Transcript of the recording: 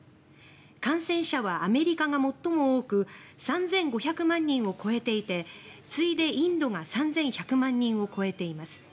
感染者はアメリカが最も多く３５００万人を超えていて次いでインドが３１００万人を超えています。